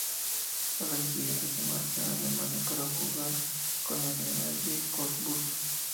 Al año siguiente se marcha a Alemania para jugar con el Energie Cottbus.